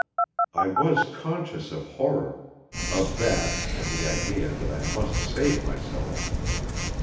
I was conscious of horror of that and the idea that I must save myself.